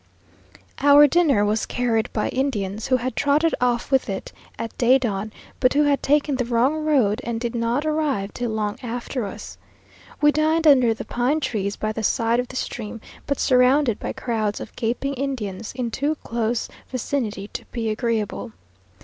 Our dinner was carried by Indians, who had trotted off with it at day dawn; but who had taken the wrong road, and did not arrive till long after us. We dined under the pine trees by the side of the stream, but surrounded by crowds of gaping Indians, in too close vicinity to be agreeable.